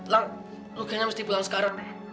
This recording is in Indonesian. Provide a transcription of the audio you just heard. lang lu kayaknya mesti pulang sekarang deh